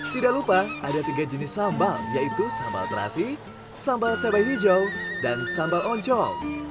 tidak lupa ada tiga jenis sambal yaitu sambal terasi sambal cewek hijau dan sambal oncol